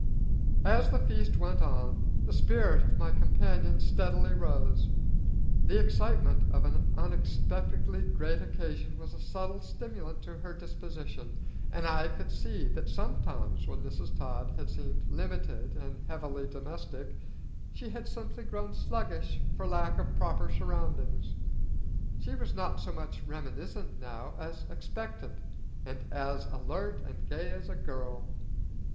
As the feast went on, the spirits of my companion steadily rose. The excitement of an unexpectedly great occasion was a subtle stimulant to her disposition, and I could see that sometimes when Mrs. Todd had seemed limited and heavily domestic, she had simply grown sluggish for lack of proper surroundings. She was not so much reminiscent now as expectant, and as alert and gay as a girl.